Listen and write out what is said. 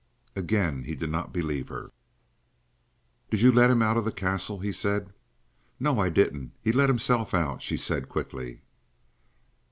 Again he did not believe her. "Did you let him out of the Castle?" he said. "No, I didn't. He let himself out," she said quickly.